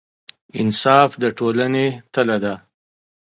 انصاف د ټولنې تله ده.